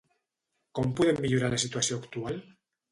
Com podem millorar la situació actual?